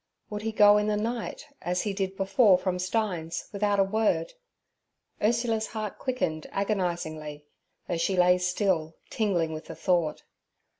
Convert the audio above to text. Would he go in the night, as he did before from Stein's, without a word? Ursula's heart quickened agonizingly, though she lay still, tingling with the thought.